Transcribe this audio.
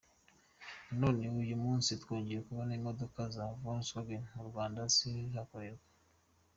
None uyu munsi twongeye kubona imodoka za Volkswagen mu Rwanda zihakorerwa.